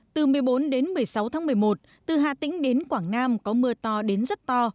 từ một mươi bốn đến một mươi sáu tháng một mươi một từ hà tĩnh đến quảng nam có mưa to đến rất to